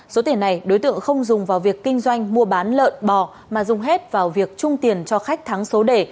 số tiền này đối tượng không dùng vào việc kinh doanh mua bán lợn bò mà dùng hết vào việc trung tiền cho khách thắng số để